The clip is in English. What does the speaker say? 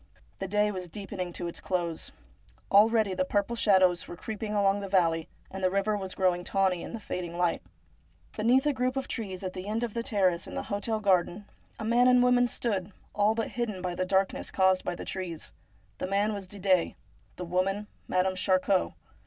The day was deepening to its close. Already the purple shadows were creeping along the valley, and the river was growing tawny in the fading light. Beneath a group of trees at the end of the terrace in the hotel garden, a man and a woman stood, all but hidden by the darkness caused by the trees. The man was Didet ; the woman Madame Charcot.